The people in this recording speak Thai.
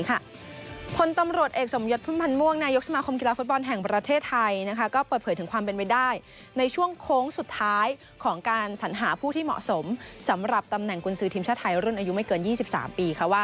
คนตำรวจเอกสมยศพุ่มพันธ์ม่วงนายกสมาคมกีฬาฟุตบอลแห่งประเทศไทยก็เปิดเผยถึงความเป็นไปได้ในช่วงโค้งสุดท้ายของการสัญหาผู้ที่เหมาะสมสำหรับตำแหน่งกุญสือทีมชาติไทยรุ่นอายุไม่เกิน๒๓ปีค่ะว่า